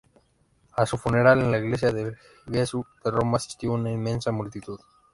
A su funeral en la Iglesia del Gesù de Roma asistió una inmensa multitud.